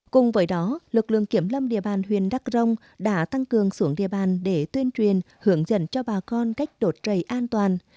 cùng với đó lực lượng kiểm lâm địa bàn huyện đắk rông đã tăng cường xuống địa bàn để tuyên truyền hướng dẫn cho bà con cách đột rầy an toàn